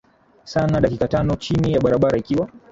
sana dakika tano chini ya barabara ikiwa